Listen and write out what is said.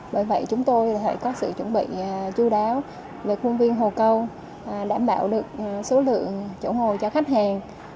bởi vậy chúng tôi phải có sự chuẩn bị chú đáo về khuôn viên hồ câu đảm bảo được số lượng chỗ ngồi cho khách hàng